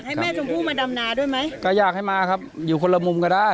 ให้แม่ชมพู่มาดำนาด้วยไหมก็อยากให้มาครับอยู่คนละมุมก็ได้